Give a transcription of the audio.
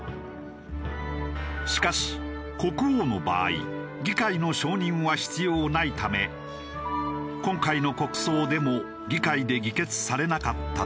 しかし国王の場合議会の承認は必要ないため今回の国葬でも議会で議決されなかったという。